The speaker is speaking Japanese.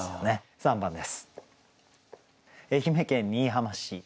３番です。